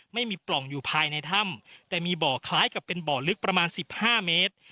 ไม่มีปล่องอยู่ภายในถ้ำแต่มีบ่อคล้ายกับเป็นบ่อลึกประมาณสิบห้าเมตร